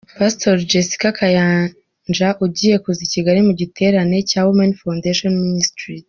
Pastor Jessica Kayanja ugiye kuza i Kigali mu giterane cya Women Foundation Ministries.